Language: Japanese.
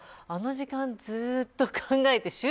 あの時間ずっと考えて。